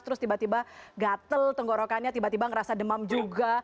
terus tiba tiba gatel tenggorokannya tiba tiba ngerasa demam juga